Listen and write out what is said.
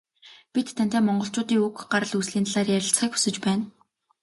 Бид тантай Монголчуудын уг гарал үүслийн талаар ярилцахыг хүсэж байна.